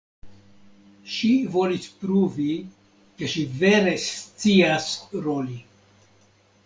Ŝi volis pruvi, ke ŝi vere scias roli.